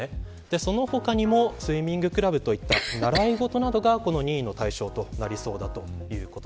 その他にもスイミングクラブといった習い事などが任意の対象となりそうです。